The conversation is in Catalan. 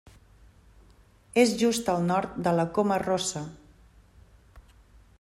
És just al nord de la Coma Rossa.